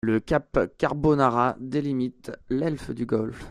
Le cap Carbonara délimite l'est du golfe.